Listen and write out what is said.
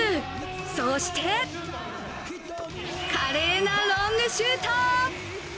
そして華麗なロングシュート！